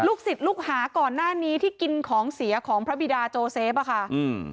ศิษย์ลูกหาก่อนหน้านี้ที่กินของเสียของพระบิดาโจเซฟอ่ะค่ะอืม